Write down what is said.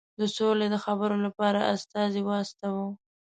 د سولي د خبرو لپاره استازی واستاوه.